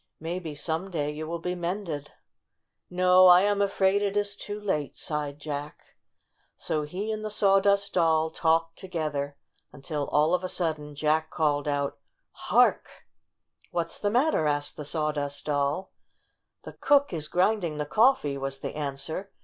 "Maybe, some day, you will be mended." "No, I am afraid it is too late," sighed Jack. So he and the Sawdust Doll talked to gether until, all of a sudden, Jack called out: "Hark!" IN THE RAG BAG 83 "What's the matter?" asked the Saw dust Doll. "The cook is grinding the coffee," was the answer.